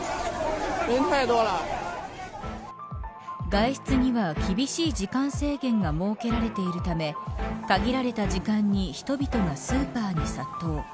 外出には厳しい時間制限が設けられているため限られた時間に人々がスーパーに殺到。